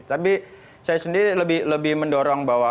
tapi saya sendiri lebih mendorong bahwa